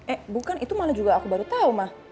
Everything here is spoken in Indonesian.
eh bukan itu malah juga aku baru tau mak